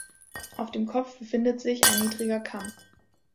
Auf dem Kopf befindet sich ein niedriger Kamm.